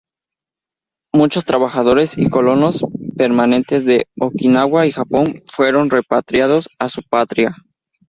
Muchos trabajadores y colonos permanentes de Okinawa y Japón fueron repatriados a su patria.